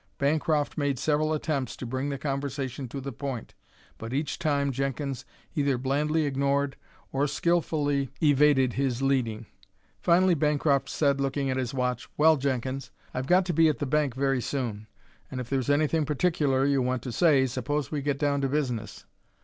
Bancroft made several attempts to bring the conversation to the point, but each time Jenkins either blandly ignored or skilfully evaded his leading. Finally Bancroft said, looking at his watch: "Well, Jenkins, I've got to be at the bank very soon, and if there's anything particular you want to say suppose we get down to business."